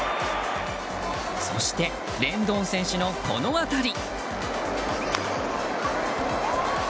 そして、レンドーン選手のこの当たり。